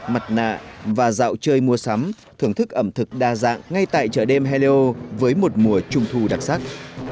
mặt nạ và dạo chơi mua sắm thưởng thức ẩm thực đa dạng ngay tại chợ đêm helleo với một mùa trung thu đặc sắc